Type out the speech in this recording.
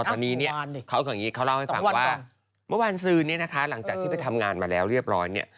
ตอนนี้เขาเล่าให้ฟังว่าเมื่อวานซื้อนี้นะคะหลังจากที่ไปทำงานมาแล้วเรียบร้อย